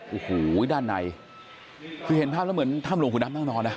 โอ้โหด้านในคือเห็นภาพแล้วเหมือนถ้ำหลวงขุนน้ำนั่งนอนนะ